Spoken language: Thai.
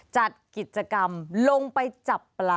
จัดกิจกรรมลงไปจับปลา